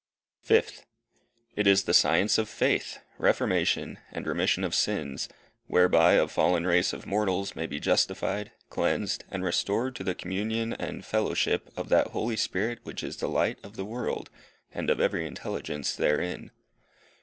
Fifth. It is the science of faith, reformation, and remission of sins, whereby a fallen race of mortals may be justified, cleansed, and restored to the communion and fellowship of that Holy Spirit which is the light of the world, and of every intelligence therein.